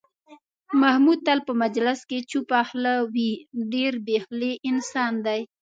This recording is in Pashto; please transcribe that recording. محمود تل په مجلس کې چوپه خوله وي، ډېر بې خولې انسان دی.